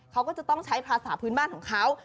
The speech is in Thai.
เขาก็จะต้องใช้ภาษาพื้นบ้านของเขา